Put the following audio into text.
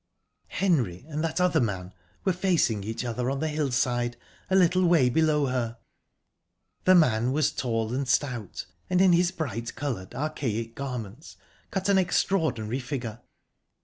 Henry and that other man were facing each other on the hillside, a little way below her. The man was tall and stout, and, in his bright coloured, archaic garments, cut an extraordinary figure.